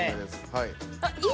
はい。